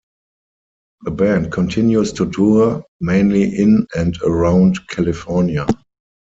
The band continues to tour, mainly in and around California.